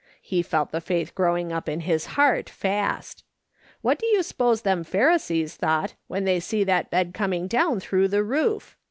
lie felt the faith growing up in his lieart fast. AVliat do you s'pose them Pharisees thought when they see that bed coming down through the roof